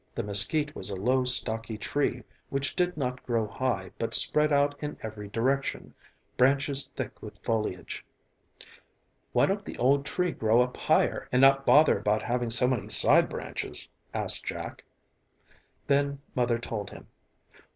The mesquite was a low, stocky tree which did not grow high but spread out in every direction, branches thick with foliage. "Why don't the old tree grow up higher and not bother about having so many side branches?" asked Jack. Then Mother told him.